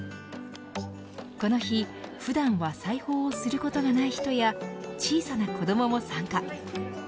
この日、普段は裁縫をすることがない人や小さな子どもも参加。